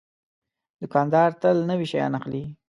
دوکاندار تل نوي شیان اخلي.